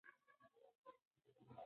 والدین به حدود وټاکي.